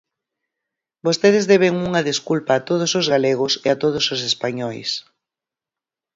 Vostedes deben unha desculpa a todos os galegos e a todos os españois.